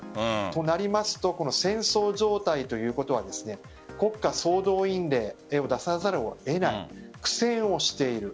と、なりますと戦争状態ということは国家総動員令を出さざるを得ない苦戦をしている。